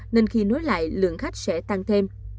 nên khi nối lại lượng khách sẽ tăng thêm